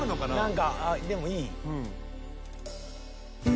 何かでもいい。